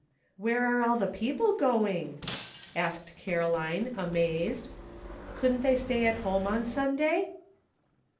"Where are all the people going?" asked Caroline, amazed. "Couldn't they stay at home on Sunday?"